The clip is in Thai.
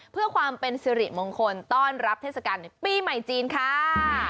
เพื่อความเป็นสิริมงคลต้อนรับเทศกาลปีใหม่จีนค่ะ